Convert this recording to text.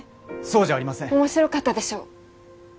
そうじゃありません面白かったでしょ